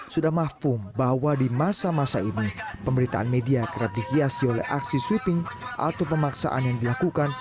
sudah mafum bahwa di masa masa ini pemberitaan media kerap dihiasi oleh aksi sweeping atau pemaksaan yang dilakukan